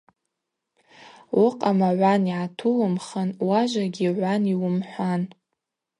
Уыкъама гӏван йгӏатумхын, уажвагьи гӏван йуымхӏван.